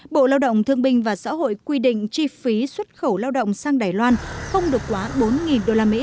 bộ lao động thương binh và xã hội quy định chi phí xuất khẩu lao động sang đài loan không được quá bốn usd